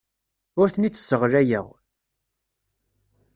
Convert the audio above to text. Ur ten-id-sseɣlayeɣ.